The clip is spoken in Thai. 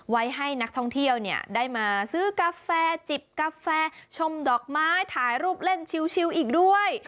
ไว้ให้นักท่องเที่ยวเนี่ยได้มาซื้อกาแฟจิบกาแฟชมดอกไม้ถ่ายรูปเล่นชิวอีกด้วย